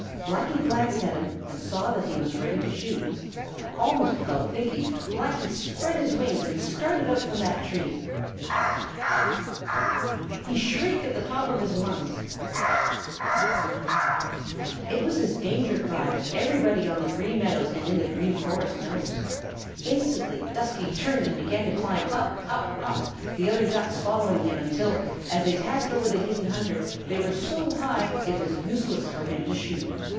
Blacky glanced at him and saw that he was ready to shoot. Almost without thinking, Blacky spread his wings and started out from that tree. "Caw, caw, caw, caw, caw!" he shrieked at the top of his lungs. "Caw, caw, caw, caw, caw!" It was his danger cry that everybody on the Green Meadows and in the Green Forest knows. Instantly Dusky turned and began to climb up, up, up, the other Ducks following him until, as they passed over the hidden hunter, they were so high it was useless for him to shoot.